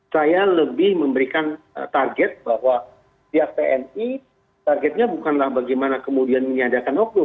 saya lebih memberikan target bahwa pihak tni targetnya bukanlah bagaimana kemudian menyadarkan oknum